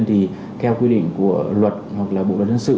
thì theo quy định của luật hoặc là bộ luật dân sự